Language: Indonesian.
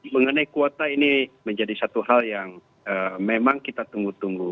mengenai kuota ini menjadi satu hal yang memang kita tunggu tunggu